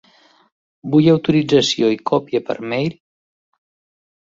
Vull autorització i còpia per mail.